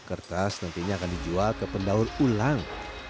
kertas nantinya akan dijual ke pendaur ulang